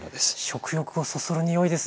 食欲をそそる匂いです